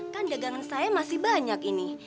kan dagangan saya masih banyak ini